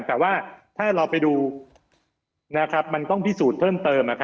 แต่ว่าถ้าเราไปดูมันต้องพิสูจน์เพิ่มเติม